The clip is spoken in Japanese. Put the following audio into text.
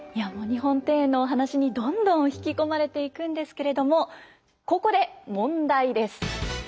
日本庭園のお話にどんどん引き込まれていくんですけれどもここで問題です。